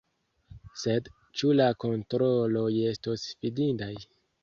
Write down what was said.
Sed ĉu la kontroloj estos fidindaj?